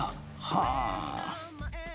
はあ。